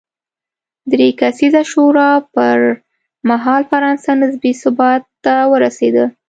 درې کسیزې شورا پر مهال فرانسه نسبي ثبات ته ورسېده.